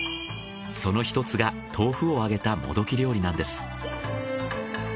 その１つが豆腐を揚げたもどき料理なんです。